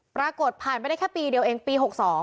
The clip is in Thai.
ปรากฏผ่านไปได้แค่ปีเดียวเองปี๖๒